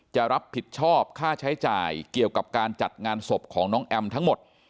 จะรับผิดชอบค่าใช้จ่ายเกี่ยวกับการจัดงานศพของน้องแอมทั้งหมด